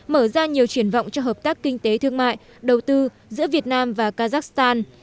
mở ra nhiều triển vọng cho hợp tác kinh tế thương mại đầu tư giữa việt nam và kazakhstan